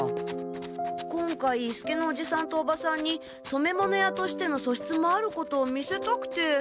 今回伊助のおじさんとおばさんにそめ物屋としてのそしつもあることを見せたくて。